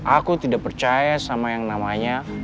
aku tidak percaya sama yang namanya